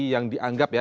yang dianggap ya